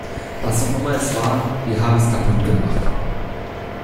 Was auch immer es war, wir haben es kaputt gemacht.